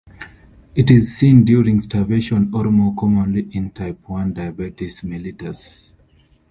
It is seen during starvation or more commonly in type one diabetes mellitus.